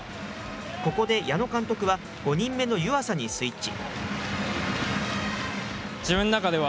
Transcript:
ここで矢野監督は、５人目の湯浅にスイッチ。